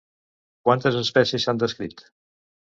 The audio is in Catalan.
Quantes espècies s'han descrit?